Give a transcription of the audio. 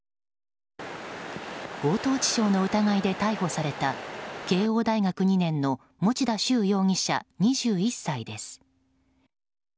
強盗致傷の疑いで逮捕された慶應大学２年の持田崇容疑者、２１歳です。